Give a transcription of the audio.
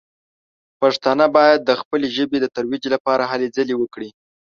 پښتانه باید د خپلې ژبې د ترویج لپاره هلې ځلې وکړي.